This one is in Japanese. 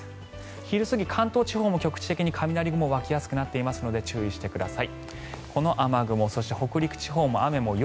昼過ぎ、関東地方も局地的に雷雲が湧きやすくなっているので注意してください。